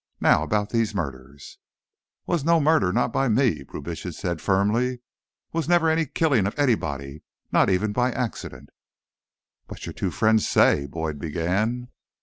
"Now, about these murders—" "Was no murder, not by me," Brubitsch said firmly. "Was never any killing of anybody, not even by accident." "But your two friends say—" Boyd began.